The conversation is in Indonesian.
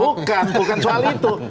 bukan bukan soal itu